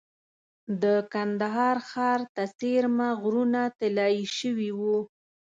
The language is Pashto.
د کندهار ښار ته څېرمه غرونه طلایي شوي وو.